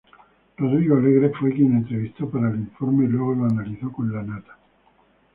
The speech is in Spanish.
Rodrigo Alegre fue quien entrevistó para el informe y luego lo analizó con Lanata.